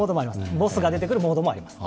ボスが出てくるモードもあります。